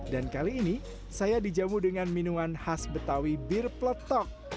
dan kali ini saya dijamu dengan minuman khas betawi beer plotok